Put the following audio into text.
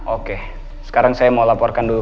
oke sekarang saya mau laporkan dulu